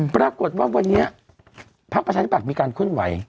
ปรากฏว่าวันนี้พราคประชาธิปัตย์มีการขึ้นไหว